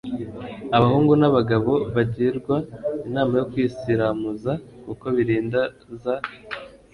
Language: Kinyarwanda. abahungu n'abagabo bagirwa inama yo kwisiramuza kuko birinda za